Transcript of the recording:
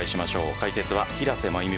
解説は平瀬真由美